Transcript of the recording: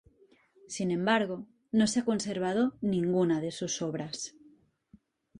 Sin embargo, no se ha conservado ninguna de sus obras.